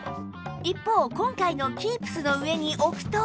一方今回の Ｋｅｅｐｓ の上に置くと